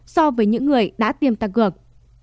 so với những người đã tiêm tăng cường